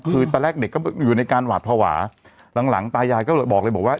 คือตอนแรกเด็กก็อยู่ในการหวาดภาวะหลังตายายก็บอกเลยบอกว่า